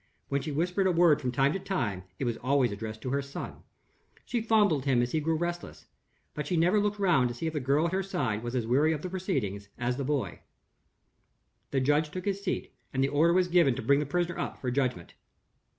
When she whispered a word from time to time, it was always addressed to her son. She fondled him when he grew restless; but she never looked round to see if the girl at her side was as weary of the proceedings as the boy. The judge took his seat, and the order was given to bring the prisoner up for judgment.